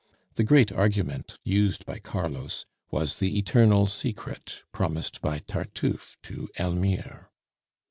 The great argument used by Carlos was the eternal secret promised by Tartufe to Elmire.